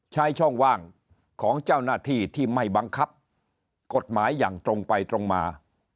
ใช้ช่องว่างของเจ้าหน้าที่ที่ไม่บังคับกฎหมายอย่างตรงไปตรงมา